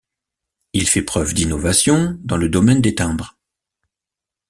Il fait preuve d'innovations dans le domaine des timbres.